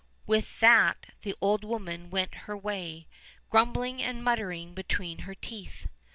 With that the old woman went her way, grumbling and muttering between her teeth.